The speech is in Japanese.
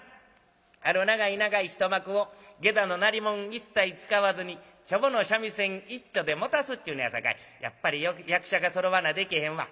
あの長い長い一幕を下座の鳴り物一切使わずにチョボの三味線一丁でもたすっちゅうねやさかいやっぱり役者がそろわなでけへんわ。